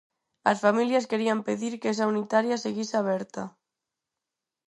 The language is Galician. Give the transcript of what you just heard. As familias querían pedir que esa unitaria seguise aberta.